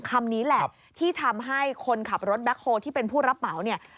คำนี้แหละที่ทำให้คนขับรถแบ็คโฮลที่เป็นผู้รับเหมาเนี่ย